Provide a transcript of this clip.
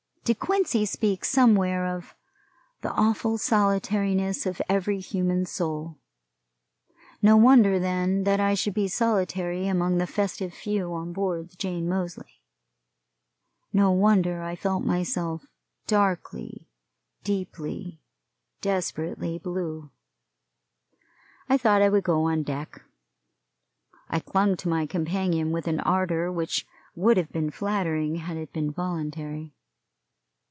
De Quincey speaks somewhere of "the awful solitariness of every human soul." No wonder, then, that I should be solitary among the festive few on board the Jane Moseley no wonder I felt myself darkly, deeply, desperately blue. I thought I would go on deck. I clung to my companion with an ardor which would have been flattering had it been voluntary.